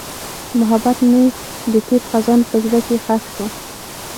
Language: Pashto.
محبت مې د تېر خزان په زړه کې ښخ شو.